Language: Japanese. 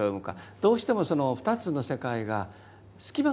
どうしてもその２つの世界が隙間ができてくる。